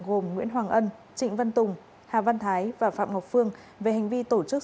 gồm nguyễn hoàng ân trịnh văn tùng hà văn thái và phạm ngọc phương về hành vi tổ chức